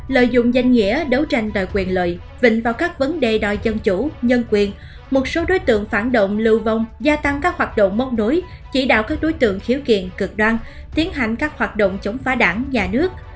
lợi dụng danh nghĩa đấu tranh đòi quyền lợi vịnh vào các vấn đề đòi dân chủ nhân quyền một số đối tượng phản động lưu vong gia tăng các hoạt động móc nối chỉ đạo các đối tượng khiếu kiện cực đoan tiến hành các hoạt động chống phá đảng nhà nước